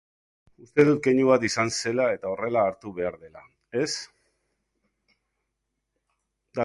Uste dut keinu bat izan zela eta horrela hartu behar dela, ez?